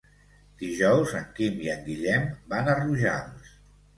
Dijous en Quim i en Guillem van a Rojals.